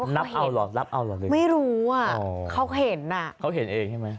นับเอาเหรอนับเอาเหรอเลยไม่รู้อ่ะเขาเห็นอ่ะเขาเห็นเองใช่ไหม